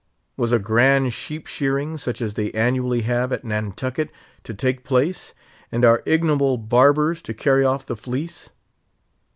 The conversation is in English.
Was a grand sheep shearing, such as they annually have at Nantucket, to take place; and our ignoble barbers to carry off the fleece?